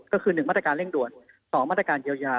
ก็คือ๑มาตรการเร่งด่วน๒มาตรการเยียวยา